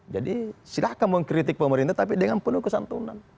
jadi silahkan mengkritik pemerintah tapi dengan penuh kesantunan